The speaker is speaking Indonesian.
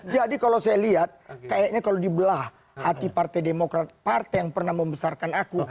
jadi kalau saya lihat kayaknya kalau dibelah hati partai demokrat partai yang pernah membesarkan aku